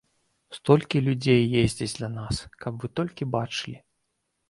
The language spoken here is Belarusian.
Столькі людзей ездзяць да нас, каб вы толькі бачылі.